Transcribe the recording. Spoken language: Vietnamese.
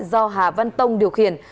do hà văn tông điều khiển